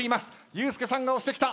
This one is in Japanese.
ユースケさんが押してきた。